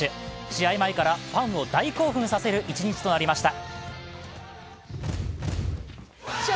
試合前からファンを大興奮させる一日となりました。